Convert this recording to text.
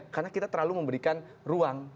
karena kita terlalu memberikan ruang